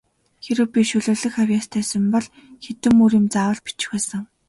Хэрэв би шүлэглэх авьяастай сан бол хэдэн мөр юм заавал бичих байсан.